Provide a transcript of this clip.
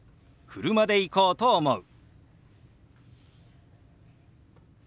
「車で行こうと思う」。